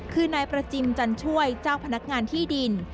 คือนายประจิมจันช่วยเจ้าพนักงานที่ดิน